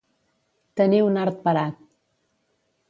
Tenir un art parat.